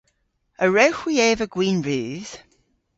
A wrewgh hwi eva gwin rudh?